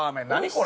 これ。